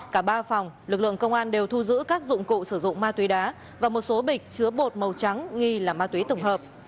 cả ba phòng lực lượng công an đều thu giữ các dụng cụ sử dụng ma túy đá và một số bịch chứa bột màu trắng nghi là ma túy tổng hợp